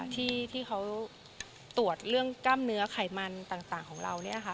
ที่เขาตรวจเรื่องกล้ามเนื้อไขมันต่างของเรา